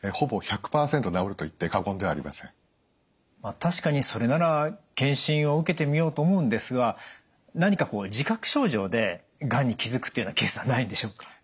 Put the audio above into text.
確かにそれなら検診を受けてみようと思うんですが何かこう自覚症状でがんに気づくというようなケースはないんでしょうか？